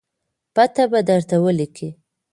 پته به درته ولګي